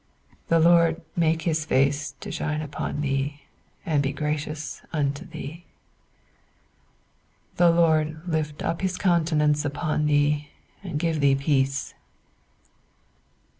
"'The Lord make his face to shine upon thee and be gracious unto thee. "'The Lord lift up his countenance upon thee and give thee peace.